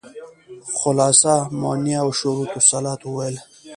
خلاصه مونيه او شروط الصلاة وويل.